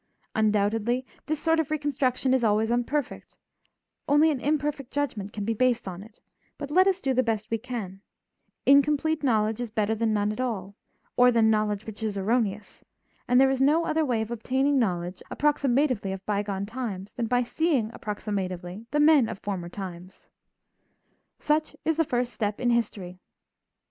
Undoubtedly, this sort of reconstruction is always imperfect; only an imperfect judgment can be based on it; but let us do the best we can; incomplete knowledge is better than none at all, or than knowledge which is erroneous, and there is no other way of obtaining knowledge approximatively of bygone times than by seeing approximatively the men of former times. Such is the first step in history.